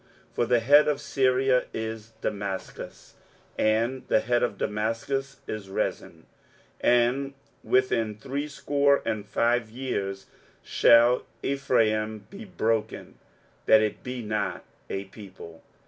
23:007:008 For the head of Syria is Damascus, and the head of Damascus is Rezin; and within threescore and five years shall Ephraim be broken, that it be not a people.